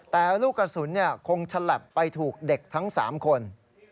แต่ลูกกระสุนคงฉลับไปถูกเด็กทั้ง๓คน